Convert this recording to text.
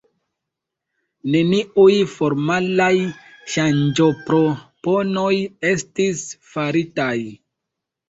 Neniuj formalaj ŝanĝoproponoj estis faritaj.